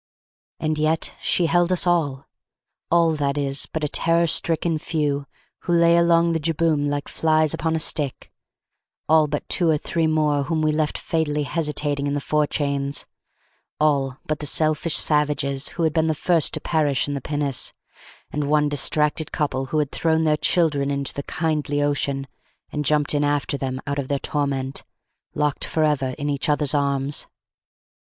And yet she held us all! All, that is, but a terror stricken few, who lay along the jibboom like flies upon a stick: all but two or three more whom we left fatally hesitating in the forechains: all but the selfish savages who had been the first to perish in the pinnace, and one distracted couple who had thrown their children into the kindly ocean, and jumped in after them out of their torment, locked for ever in each other's arms.